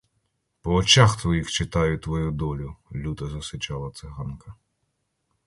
По очах твоїх читаю твою долю, — люто засичала циганка.